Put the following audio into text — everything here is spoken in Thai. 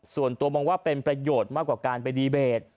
ส่วนตัวมองว่าเป็นประโยชน์มากกว่าการไปดีเบต